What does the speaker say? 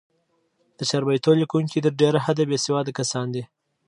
د چاربیتو لیکوونکي تر ډېره حده، بېسواد کسان دي.